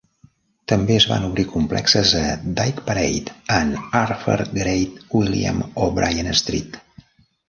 També es van obrir complexes a Dyke Parade and Ardfert, Great William O'Brien Street.